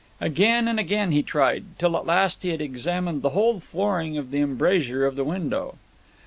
Again and again he tried, till at last he had examined the whole flooring of the embrasure of the window.